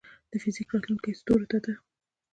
د فزیک راتلونکې ستورو ته ده.